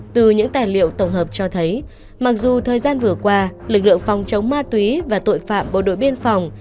từ những tài liệu tổng hợp cho thấy mặc dù thời gian vừa qua lực lượng phòng chống ma túy và tội phạm bộ đội biên phòng